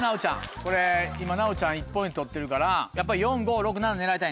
これ今奈央ちゃん１ポイント取ってるからやっぱ４・５・６・７狙いたいね。